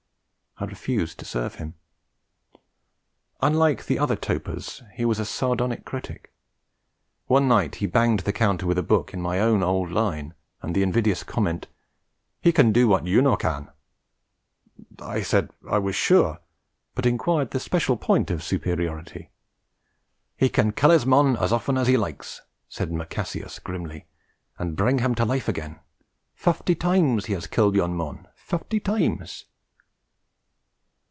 I refused to serve him. Unlike the other topers, he was a sardonic critic. One night he banged the counter with a book in my own old line, and the invidious comment: 'He can do what you no can!' I said I was sure, but inquired the special point of superiority. 'He can kill his mon as often as he likes,' said McCassius, grimly, 'and bring him to life again. Fufty times he has killed yon mon fufty times!'